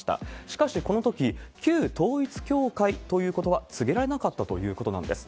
しかしこのとき、旧統一教会ということは告げられなかったということなんです。